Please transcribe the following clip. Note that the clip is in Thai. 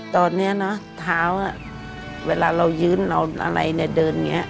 ตอนนี้นะเท้าเวลาเรายืนเราอะไรเนี่ยเดินอย่างนี้